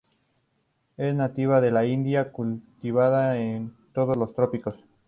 Es nativa de la India, cultivada en todos los trópicos.